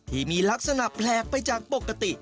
ที่มีลักษณะแปลกไปจากปกติ